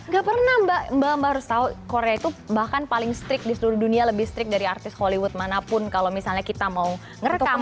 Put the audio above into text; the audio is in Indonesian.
gak pernah mbak mbak harus tahu korea itu bahkan paling strict di seluruh dunia lebih strict dari artis hollywood manapun kalau misalnya kita mau ngerekam